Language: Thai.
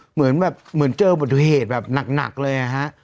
เหมือนแบบเหมือนเจออุบัติเหตุแบบหนักเลยอะฮะ